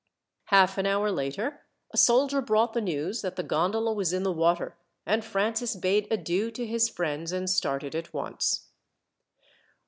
Half an hour later, a soldier brought the news that the gondola was in the water, and Francis bade adieu to his friends, and started at once.